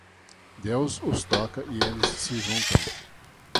Deus os toca e eles se juntam.